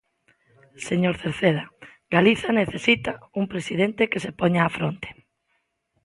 Señor Cerceda, Galiza necesita un presidente que se poña á fronte.